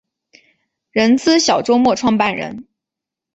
人资小周末创办人